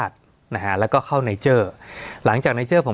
สวัสดีครับทุกผู้ชม